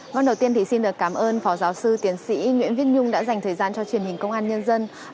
vâng đầu tiên thì xin được cảm ơn phó giáo sư tiến sĩ nguyễn viết nhung đã dành thời gian cho truyền hình công an nhân dân